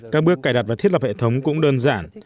các bước cài đặt và thiết lập hệ thống cũng đơn giản